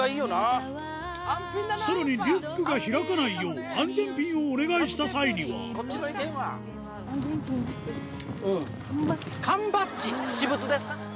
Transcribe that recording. さらにリュックが開かないよう安全ピンをお願いした際には缶バッジ？